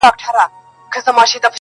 چاویل مور یې بي بي پلار یې اوزبک دی-